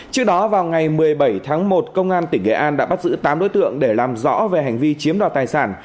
trước đó vào ngày một mươi bảy tháng một công an tỉnh nghệ an đã bắt giữ tám đối tượng để làm rõ về hành vi chiếm đoạt tài sản